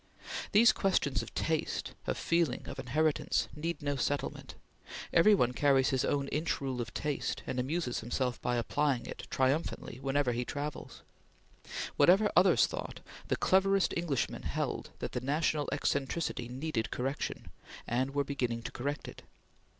These questions of taste, of feeling, of inheritance, need no settlement. Every one carries his own inch rule of taste, and amuses himself by applying it, triumphantly, wherever he travels. Whatever others thought, the cleverest Englishmen held that the national eccentricity needed correction, and were beginning to correct it.